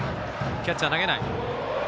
キャッチャー、投げない。